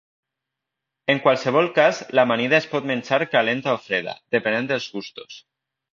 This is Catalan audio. En qualsevol cas l'amanida es pot menjar calenta o freda, depenent dels gustos.